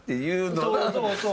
そうそうそう。